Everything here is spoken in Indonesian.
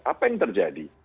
apa yang terjadi